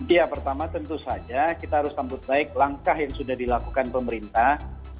ya pertama tentu saja kita harus sambut baik langkah yang sudah dilakukan pemerintah